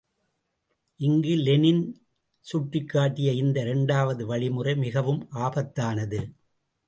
இங்கு லெனின் சுட்டிக்காட்டிய இந்த இரண்டாவது வழிமுறை மிகவும் ஆபத்தானது.